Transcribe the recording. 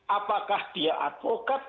apakah dia advokat